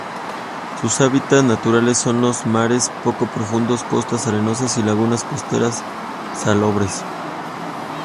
Sus hábitats naturales son los mares poco profundos, costas arenosas, y lagunas costeras salobres.